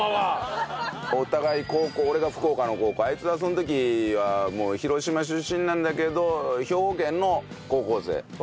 お互い高校俺が福岡の高校あいつはその時は広島出身なんだけれど兵庫県の高校生。